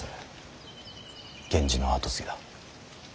源氏の跡継ぎだ。